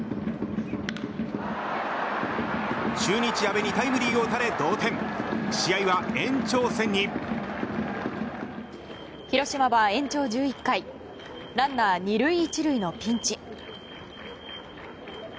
中日の阿部にタイムリーを打たれ広島は延長１１回ランナー２塁１塁のピンチ。